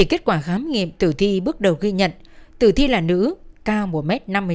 kết quả khám nghiệm tử thi bước đầu ghi nhận tử thi là nữ cao một m năm mươi hai